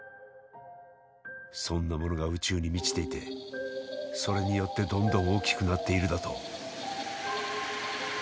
そんなものが宇宙に満ちていてそれによってどんどん大きくなっているだと？